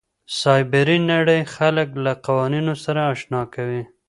سایبري نړۍ خلک له قوانینو سره اشنا کوي.